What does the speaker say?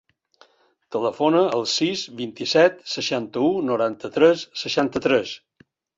Telefona al sis, vint-i-set, seixanta-u, noranta-tres, seixanta-tres.